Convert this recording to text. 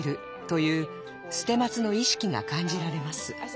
という捨松の意識が感じられます。